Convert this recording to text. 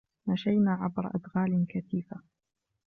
مشينا عبر أدغال كثيفة.